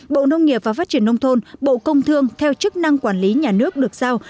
bộ nông nghiệp và phát triển nông thôn bộ công thương theo chức năng quản lý nhà nước được giao